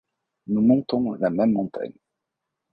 Nous montons la même montagne ;